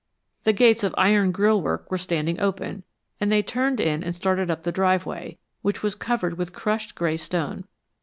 The gates of iron grill work were standing open, and they turned in and started up the driveway, which was covered with crushed gray stone.